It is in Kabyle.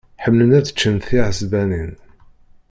Ḥemmlen ad ččen tiɛesbanin.